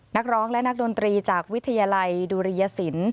นักร้องและนักดนตรีจากวิทยาลัยดุริยสิน